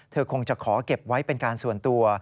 คงจะขอเก็บไว้เป็นการส่วนตัว